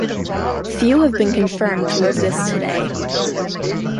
Few have been confirmed to exist today.